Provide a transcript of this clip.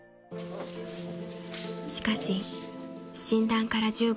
［しかし診断から１５年］